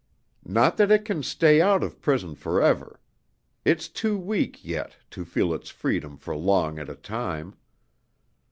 Not that it can stay out of prison forever. It's too weak, yet, to feel its freedom for long at a time.